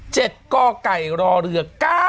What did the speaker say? เจ็ดกล้อกไก่รอเรือ๙๓๐๒